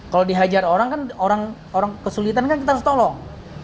kalau dihajar orang kan orang kesulitan kan kita harus tolong